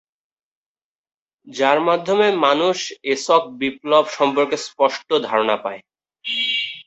যার মাধ্যমে মানুষ এসক বিপ্লব সম্পর্কে স্পষ্ট ধারনা পায়।